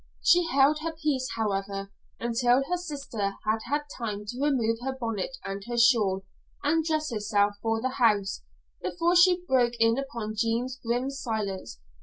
She held her peace, however, until her sister had had time to remove her bonnet and her shawl and dress herself for the house, before she broke in upon Jean's grim silence.